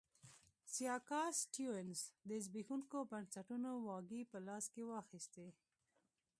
سیاکا سټیونز د زبېښونکو بنسټونو واګې په لاس کې واخیستې.